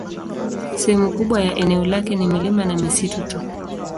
Sehemu kubwa ya eneo lake ni milima na misitu tu.